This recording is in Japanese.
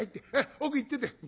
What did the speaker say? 奥行ってて。